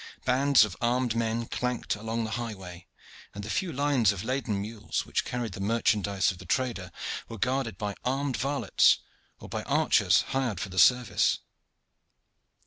Bands of armed men clanked along the highway, and the few lines of laden mules which carried the merchandise of the trader were guarded by armed varlets, or by archers hired for the service.